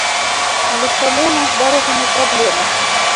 Але чаму ў нас з дарогамі праблема?